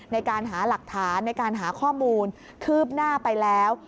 ในการหาหลักฐานในการหาข้อมูลคืบหน้าไปแล้ว